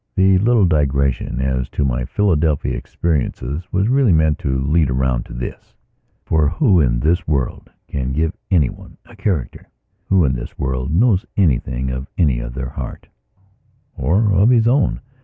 (The little digression as to my Philadelphia experiences was really meant to lead around to this.) For who in this world can give anyone a character? Who in this world knows anything of any other heartor of his own?